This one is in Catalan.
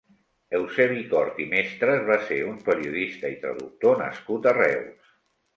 Eusebi Cort i Mestres va ser un periodista i traductor nascut a Reus.